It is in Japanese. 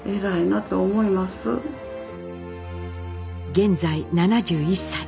現在７１歳。